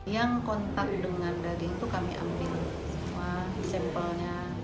yang kontak dengan daging itu kami ambil semua sampelnya